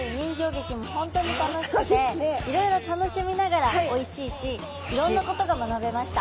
いろいろ楽しみながらおいしいしいろんなことが学べました。